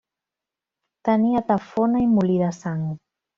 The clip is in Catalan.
Tenia tafona i molí de sang.